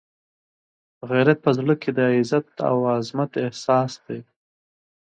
غیرت په زړه کې د عزت او عزمت احساس دی.